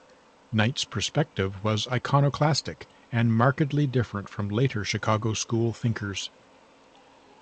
Knight's perspective was iconoclastic, and markedly different from later Chicago school thinkers.